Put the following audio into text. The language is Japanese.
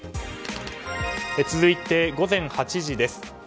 続いて午前８時です。